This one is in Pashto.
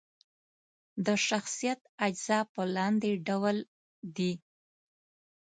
د شخصیت اجزا په لاندې ډول دي: